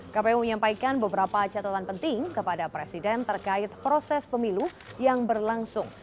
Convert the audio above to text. kpu menyampaikan beberapa catatan penting kepada presiden terkait proses pemilu yang berlangsung